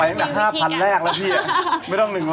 ไปนี่คือเป็นลมหรือว่าเอาเงินคะ